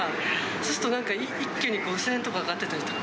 そうすると、なんか一挙に５０００円とか上がってたりとか。